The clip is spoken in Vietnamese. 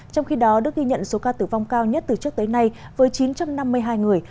trong khi đó đức ghi nhận số ca tử vong cao nhất từ trước tới nay với chín trăm năm mươi hai người